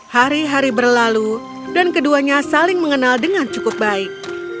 hari hari berlalu dan keduanya saling mengenal dengan cukup baik